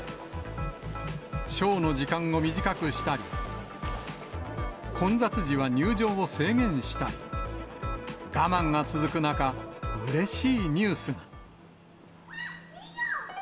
ショーの時間を短くしたり、混雑時は入場を制限したり、我慢が続く中、うれしいニュースが。